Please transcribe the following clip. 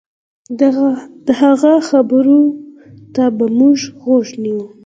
د هغه خبرو ته به مو غوږ نيوه.